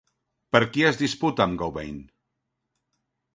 Per qui es disputa amb Gauvain?